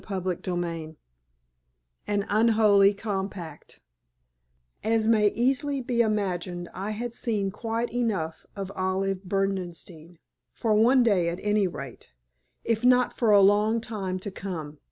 CHAPTER XXII AN UNHOLY COMPACT As may easily be imagined I had seen quite enough of Olive Berdenstein for one day at any rate, if not for a long time to come.